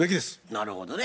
なるほどね。